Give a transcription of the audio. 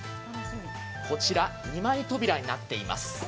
こちら２枚扉になっています。